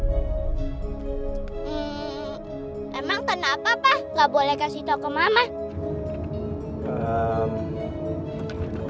gak boleh kasih tau ke mama